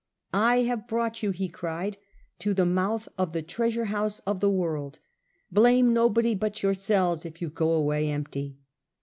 "I have brought you," he cried, " to the mouth of the Treasure House of the World.. Blame nobody but yourselves if you go away empty."